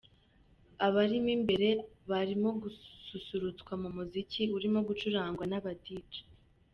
Abarimo imbere barimo gususurutswa mu muziki urimo gucurangwa n'aba Djs.